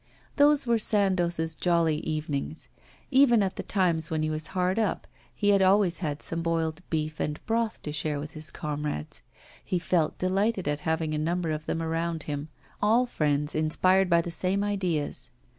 Those were Sandoz's jolly evenings. Even at the times when he was hard up he had always had some boiled beef and broth to share with his comrades. He felt delighted at having a number of them around him, all friends, inspired by the same ideas.